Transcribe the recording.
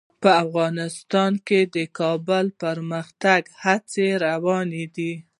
په افغانستان کې د کابل د پرمختګ هڅې روانې دي.